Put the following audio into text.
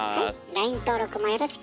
ＬＩＮＥ登録もよろしく！